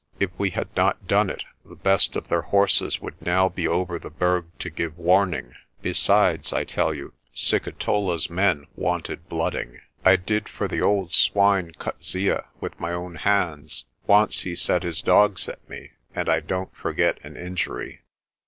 If we had not done it, the best of their horses would now be over the Berg to give warning. Besides, I tell you, Sikitola's men wanted blooding. I did for the old swine, Coetzee, with my own hands. Once he set his dogs at me and I don't forget an injury."